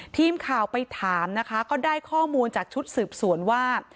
ทีมข่าวไปถามนะคะก็ได้ข้อมูลจากชุดสืบสวนว่า